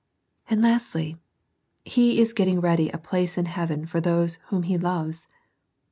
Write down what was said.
And lastly, He is getting ready a place in heaven for those whom He loves.